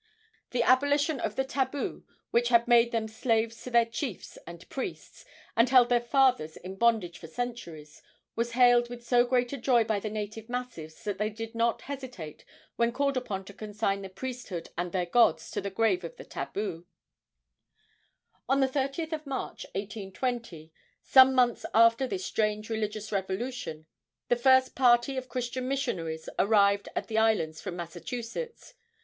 The abolition of the tabu, which had made them slaves to their chiefs and priests, and held their fathers in bondage for centuries, was hailed with so great a joy by the native masses that they did not hesitate when called upon to consign the priesthood and their gods to the grave of the tabu. On the 30th of March, 1820 some months after this strange religious revolution the first party of Christian missionaries arrived at the islands from Massachusetts.